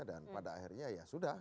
dan pada akhirnya ya sudah